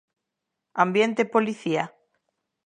Ambiente policía.